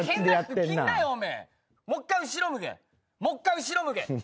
もう１回後ろ向け。